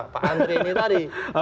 pak andri ini tadi